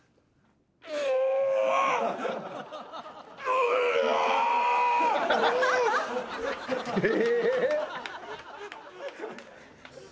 うわ！え？